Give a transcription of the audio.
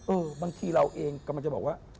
บางทีเราเองกำลังจะบอกว่า